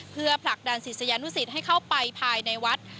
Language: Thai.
เพื่อผลักดันศิษยานุสิตให้เข้าไปภายในวัด